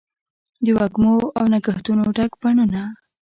د وږمو او نګهتونو ډک بڼوڼه